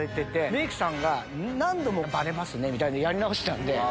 メイクさんが何度も「バレますね」みたいなやり直してたんで。